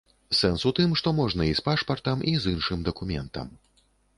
Сэнс у тым, што можна і з пашпартам, і з іншым дакументам.